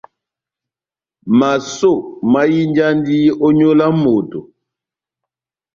Masó mahinjandi ó nyolo ya moto.